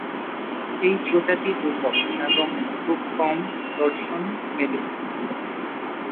এই প্রজাতি দুর্লভ এবং খুব কম দর্শন মেলে।